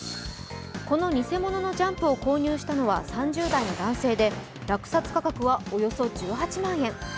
この偽物の「ジャンプ」を購入したのは３０代の男性で落札価格はおよそ１８万円。